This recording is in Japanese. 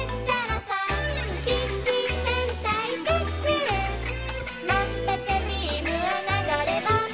「キッチン戦隊クックルン」「まんぷくビームは流れ星」